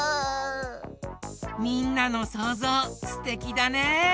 みんなのそうぞうすてきだね！